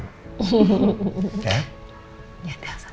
ya di sana